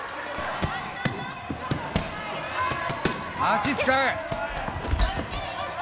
足使え！